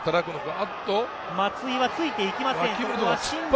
松井はついて行きません。